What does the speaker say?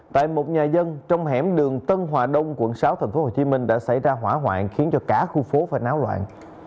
tại một nhà dân trong hẻm đường tân hòa đông quận sáu tp hcm đã xảy ra hỏa hoạn khiến cho cả khu phố phải náo loạn